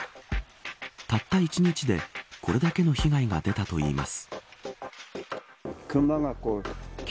たった１日でこれだけの被害が出たといいます。